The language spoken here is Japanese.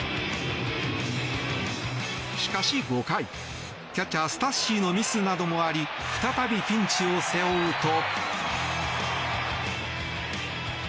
しかし５回、キャッチャースタッシーのミスなどもあり再びピンチを背負うと。